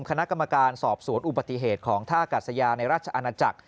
คณะกรรมการสอบสวนอุบัติเหตุของท่ากัดสยาในราชอาณาจักร